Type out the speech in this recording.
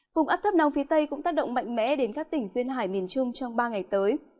vùng áp thấp nóng phía tây cũng tác động mạnh mẽ đến các tỉnh duyên hải miền trung trong ba ngày tới